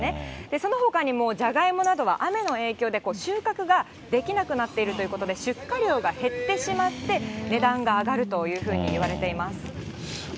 そのほかにもじゃがいもなどは雨の影響で収穫ができなくなっているということで、出荷量が減ってしまって、値段が上がるというふうにいわれています。